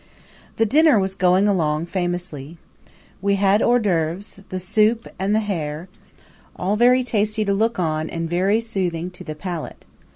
The dinner was going along famously. We had hors d'oeuvres, the soup and the hare all very tasty to look on and very soothing to the palate.